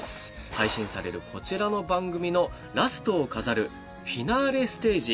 配信されるコチラの番組のラストを飾るフィナーレステージ